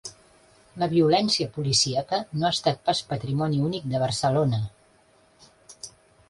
La violència policíaca no ha estat pas patrimoni únic de Barcelona.